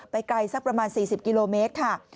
ไกลสักประมาณ๔๐กิโลเมตรค่ะ